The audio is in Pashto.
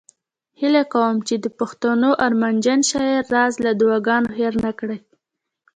هیله کوم چې د پښتنو ارمانجن شاعر راز له دعاګانو هیر نه کړي